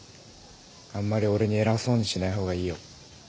あんまり俺に偉そうにしない方がいいよ。